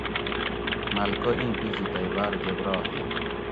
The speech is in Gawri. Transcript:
ملکہ ایں بِجی تئی باۤر گھبرا ہی